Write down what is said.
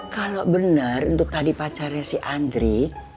kalo bener untuk tadi pacarnya si andri